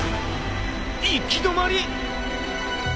行き止まり？